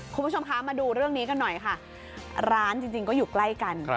คุณผู้ชมคะมาดูเรื่องนี้กันหน่อยค่ะร้านจริงก็อยู่ใกล้กัน